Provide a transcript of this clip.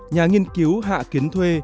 nhà nghiên cứu hạ kiến thuê